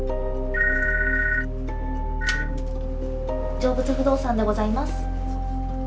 成仏不動産でございます。